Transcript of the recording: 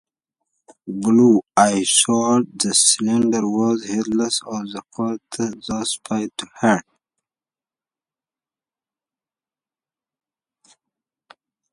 But Isolde the Slender was heedless of the court thus paid to her.